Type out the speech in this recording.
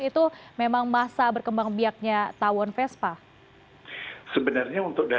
itu memang masa berkembang biaknya tawon vespa